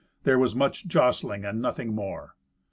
There was much jostling, and nothing more.